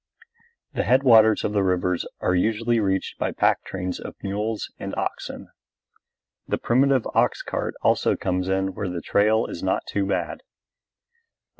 The headwaters of the rivers are usually reached by pack trains of mules and oxen. The primitive ox cart also comes in where the trail is not too bad.